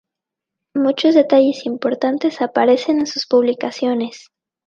Muchos detalles importantes aparecen en sus publicaciones.